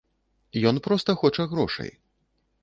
Ён проста хоча грошай.